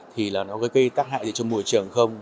thì nó gây tác hại gì cho môi trường không